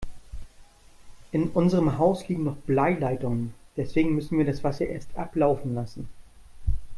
In unserem Haus liegen noch Bleileitungen, deswegen müssen wir das Wasser erst ablaufen lassen.